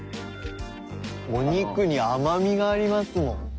お肉に甘みがありますもん。